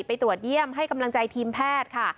ไปตรวจเยี่ยมให้กำลังใจทีมแพทย์ค่ะ